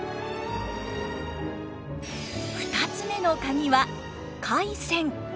２つ目のカギは廻船。